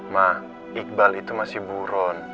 mah iqbal itu masih buron